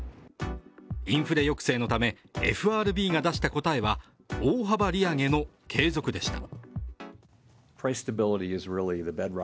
インフレ抑制のためＦＲＢが出した答えは大幅利上げの継続でした。